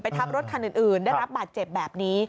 ทับรถคันอื่นได้รับบาดเจ็บแบบนี้